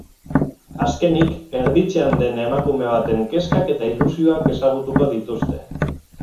Azkenik, erditzear den emakume baten kezkak eta ilusioak ezagutuko dituzte.